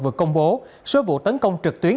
vừa công bố số vụ tấn công trực tuyến